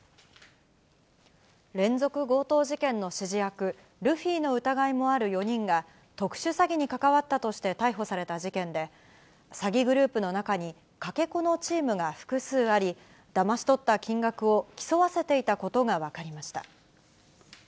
連続強盗事件の指示役、ルフィの疑いもある４人が、特殊詐欺に関わったとして逮捕された事件で、詐欺グループの中に、かけ子のチームが複数あり、だまし取った金額を競わせていたことが分かりました。